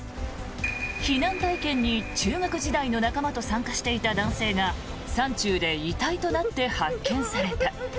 避難体験に中学時代の仲間と参加していた男性が山中で遺体となって発見された。